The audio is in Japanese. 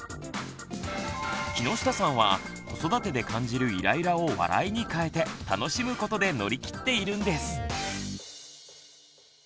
木下さんは子育てで感じるイライラを笑いに変えて楽しむことで乗り切っているんです。